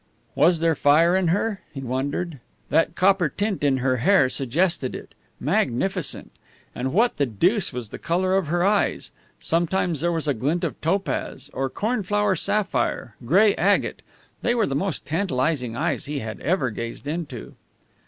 Was there fire in her? He wondered. That copper tint in her hair suggested it. Magnificent! And what the deuce was the colour of her eyes? Sometimes there was a glint of topaz, or cornflower sapphire, gray agate; they were the most tantalizing eyes he had ever gazed into.